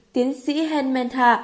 tiến sĩ henmentha